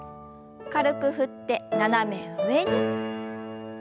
軽く振って斜め上に。